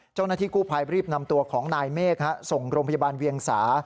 เจ้าหน้าที่กู้ภัยรีบนำตัวของนายเมฆส่งโรงพยาบาลเวียงสา